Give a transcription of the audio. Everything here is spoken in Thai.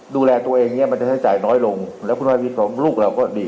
แต่หรือทำสืบใช้แพงอีกแล้วไง